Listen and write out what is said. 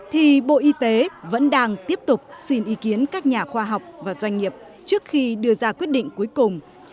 thì bộ y tế vẫn đang tiếp tục xin ý kiến các nhà khoa học và doanh nghiệp trước khi đưa ra quyết định cuối cùng